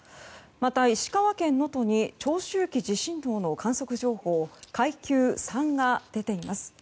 また、石川県能登に長周期地震動の観測情報階級３が出ています。